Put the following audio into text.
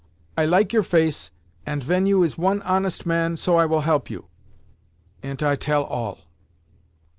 I like your face, ant ven you is one honest man, so I will help you.' Ant I tell all.